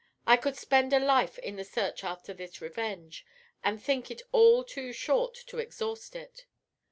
I could spend a life in the search after this revenge, and think it all too short to exhaust it!